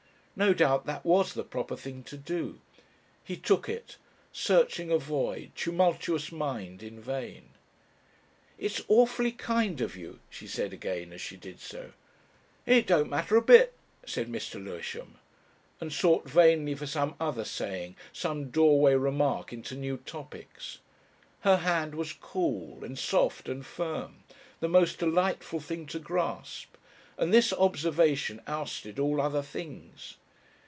No doubt that was the proper thing to do. He took it, searching a void, tumultuous mind in vain. "It's awfully kind of you," she said again as she did so. "It don't matter a bit," said Mr. Lewisham, and sought vainly for some other saying, some doorway remark into new topics. Her hand was cool and soft and firm, the most delightful thing to grasp, and this observation ousted all other things.